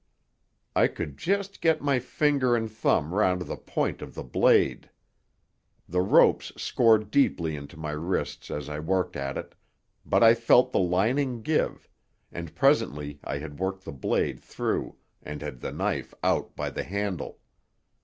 I could just get my finger and thumb round the point of the blade. The ropes scored deeply into my wrists as I worked at it, but I felt the lining give, and presently I had worked the blade through and had the knife out by the handle.